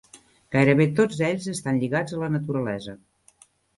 Gairebé tots ells estan lligats a la naturalesa.